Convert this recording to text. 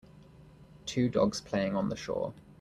Two dogs playing on the shore.